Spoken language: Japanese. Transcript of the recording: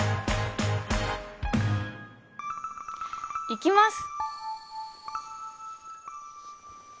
いきます！